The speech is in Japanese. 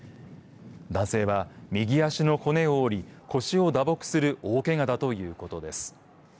男性は右足の骨を折り、腰を打撲する大けがだということです。